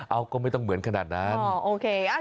เอาก็ไม่ต้องเหมือนขนาดนั้น